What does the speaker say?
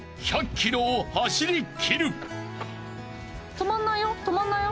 ・止まんないよ止まんないよ。